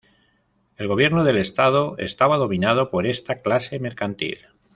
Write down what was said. El gobierno del estado estaba dominado por esta clase mercantil.